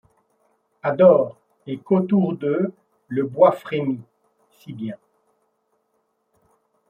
Adore, et qu’autour d’eux le bois frémit ! si bien